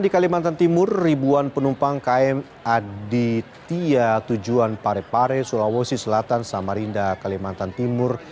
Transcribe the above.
di kalimantan timur ribuan penumpang km aditya tujuan parepare sulawesi selatan samarinda kalimantan timur